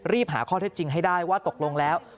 หาข้อเท็จจริงให้ได้ว่าตกลงแล้ว